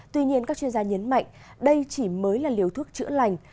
tuy nhiên các chuyên gia nhấn mạnh đây chỉ mới là liều thuốc chữa lành